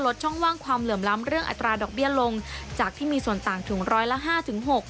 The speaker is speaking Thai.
ช่องว่างความเหลื่อมล้ำเรื่องอัตราดอกเบี้ยลงจากที่มีส่วนต่างถึงร้อยละห้าถึงหก